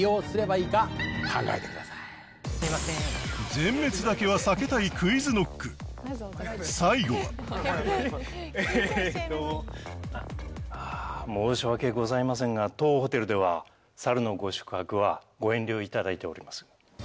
全滅だけは避けたいＱｕｉｚＫｎｏｃｋ最後はえっと申し訳ございませんが当ホテルでは猿のご宿泊はご遠慮いただいております